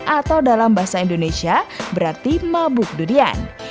atau dalam bahasa indonesia berarti mabuk durian